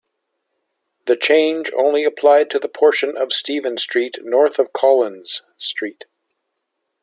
The change only applied to the portion of Stephen Street north of Collins Street.